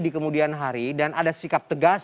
di kemudian hari dan ada sikap tegas